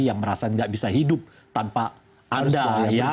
yang merasa tidak bisa hidup tanpa anda